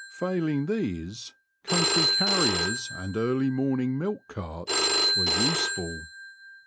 Failing these, country carriers and early morning milk carts were useful.